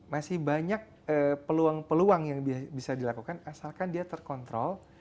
masih banyak peluang peluang yang bisa dilakukan asalkan dia terkontrol